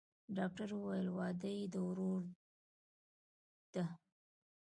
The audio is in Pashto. ډاکتر وويل واده يې د ورور دىه.